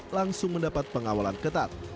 langsung mendapat pengawalan ketat